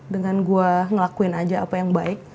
dengan gue ngelakuin aja apa yang baik